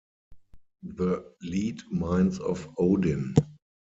The lead mines of Odin.